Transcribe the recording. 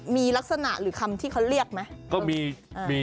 มีลักษณะหรือคำที่เขาเรียกไหม